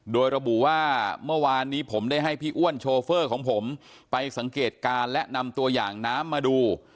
โดยระบุว่าเมื่อวานนี้ผมได้ให้พี่อ้วนโชเฟอร์ของผมไปสังเกตการณ์และนำตัวอย่างน้ำมาดู